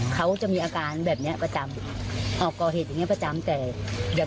เขาไม่ได้อยู่นั่งอยู่ในรับบ้าน